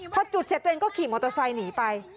พอจุดเสร็จตัวเองก็ขี่มอเตอร์ไซค์หนีไป